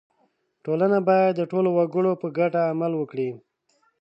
• ټولنه باید د ټولو وګړو په ګټه عمل وکړي.